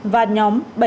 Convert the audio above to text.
và nhóm bảy đối tượng khác